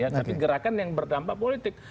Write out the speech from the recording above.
tapi gerakan yang berdampak politik